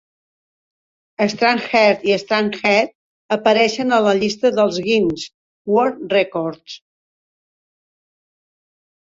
"scraunched" i "strengthed" apareixen a la llista dels "Guinness World Records".